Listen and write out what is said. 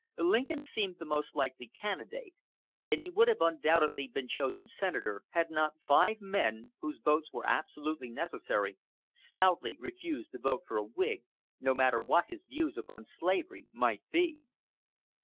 Lincoln seemed the most likely candidate; and he would have undoubtedly been chosen senator, had not five men, whose votes were absolutely necessary, stoutly refused to vote for a Whig, no matter what his views upon slavery might be.